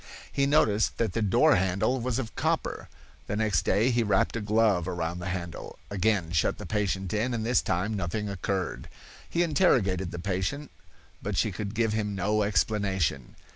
He noticed that the door handle was of copper. The next day he wrapped a glove around the handle, again shut the patient in, and this time nothing occurred. He interrogated the patient, but she could give him no explanation.